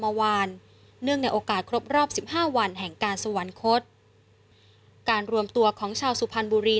เมื่อวานเนื่องในโอกาสครบรอบสิบห้าวันแห่งการสวรรคตการรวมตัวของชาวสุพรรณบุรี